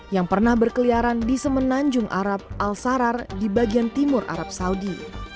yang pernah berkeliaran di semenanjung arab al sarar di bagian timur arab saudi